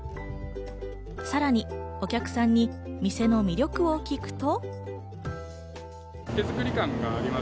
さらにお客さんにお店の魅力を聞くと。